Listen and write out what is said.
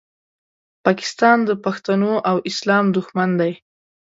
پاکستان د پښتنو او اسلام دوښمن دی